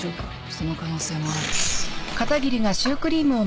その可能性もある。